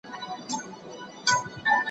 ما د ښوونځي کتابونه مطالعه کړي دي!؟